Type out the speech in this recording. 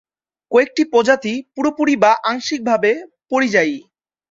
কয়েকটি প্রজাতি, পুরোপুরি বা আংশিকভাবে পরিযায়ী।